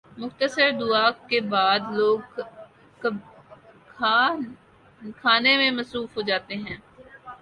مختصر دعا کے بعد لوگ کھانے میں مصروف ہو جاتے ہیں۔